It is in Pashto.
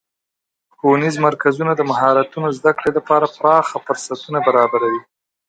ښوونیز مرکزونه د مهارتونو زدهکړې لپاره پراخه فرصتونه برابروي.